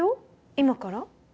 今から？